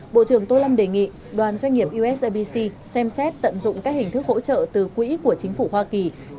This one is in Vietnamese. bộ trưởng tô lâm đề nghị đoàn doanh nghiệp usibc xem xét tận dụng các hình thức hỗ trợ từ quỹ của chính phủ hoa kỳ